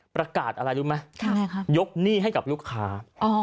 ประกาศอะไรรู้ไหมยกหนี้ให้กับลูกค้า